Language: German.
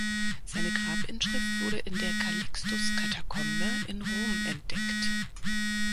Seine Grabinschrift wurde in der Calixtus-Katakombe in Rom entdeckt.